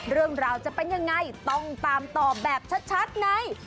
เรื่องราวจะเป็นยังไงต้องตามต่อแบบชัดใน